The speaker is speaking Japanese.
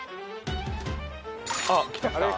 あっきた。